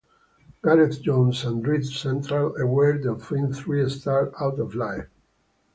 Gareth Jones of Dread Central awarded the film three stars out of five.